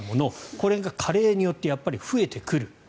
これが加齢によってやっぱり増えてくる。